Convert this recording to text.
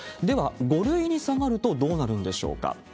では、５類に下がるとどうなるんでしょうか。